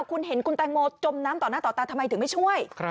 คุณเห็นคุณแตงโมจมน้ำต่อหน้าต่อตาทำไมถึงไม่ช่วย